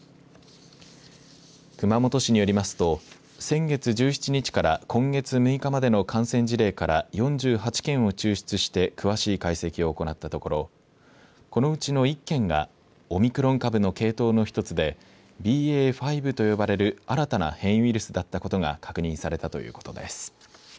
熊本市によりますと先月１７日から今月６日までの感染事例から４８件を抽出して詳しい解析を行ったところこのうちの１件がオミクロン株の系統の１つでＢＡ．５と呼ばれる新たな変異ウイルスだったことが確認されたということです。